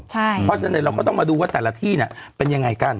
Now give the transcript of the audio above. เพราะฉะนั้นเราก็ต้องมาดูว่าแต่ละที่เป็นยังไงกัน